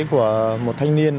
của một thanh niên